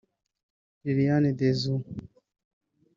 Lillian Dezu